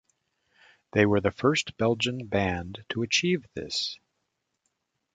They were the first Belgian band to achieve this.